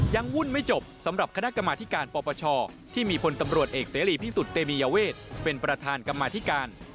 วุ่นไม่จบสำหรับคณะกรรมาธิการปปชที่มีพลตำรวจเอกเสรีพิสุทธิเตมียเวทเป็นประธานกรรมาธิการ